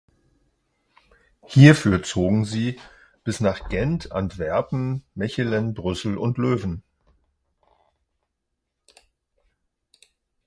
Hierfür zogen sie bis nach Gent, Antwerpen, Mechelen, Brüssel und Löwen.